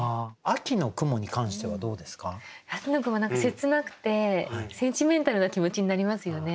秋の雲は何か切なくてセンチメンタルな気持ちになりますよね。